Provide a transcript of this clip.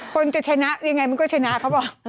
คนจะชนะยังไงมันก็ชนะเขาบอก